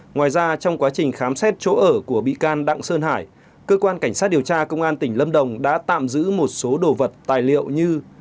ngoài ra trong quá trình khám xét chỗ ở của bị can đặng sơn hải cơ quan cảnh sát điều tra công an tỉnh lâm đồng đã tạm giữ một số đồ vật tài liệu như